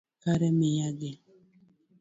Kare miyagi